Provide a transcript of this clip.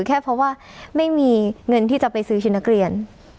แค่เพราะว่าไม่มีเงินที่จะไปซื้อชุดนักเรียน